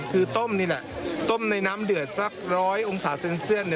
คือต้มนี่แหละต้มในน้ำเดือดสัก๑๐๐องศาเซลเซียต